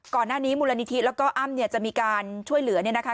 ก่อนหน้านี้มูลนิธิแล้วก็อ้ำเนี่ยจะมีการช่วยเหลือเนี่ยนะคะ